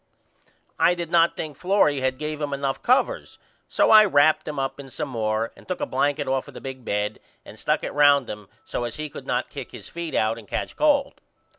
I did not think Florrie had gave him enough covers so I rapped him up in some more and took a blanket off of the big bed and stuck it round him so as he could not kick his feet out and catch cold.